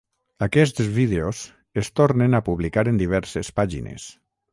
Aquests vídeos es tornen a publicar en diverses pàgines.